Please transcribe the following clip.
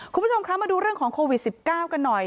คุณผู้ชมคะมาดูเรื่องของโควิด๑๙กันหน่อย